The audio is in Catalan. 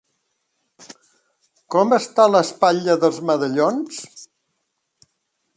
Com està l'espatlla dels medallons?